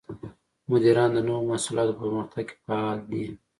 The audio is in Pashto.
مدیران د نوو محصولاتو په پرمختګ کې فعال دي.